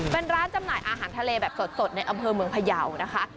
เป็นร้านจำหน่ายอาหารทะเลแบบสดในอำเภอเมืองพยาวนะคะ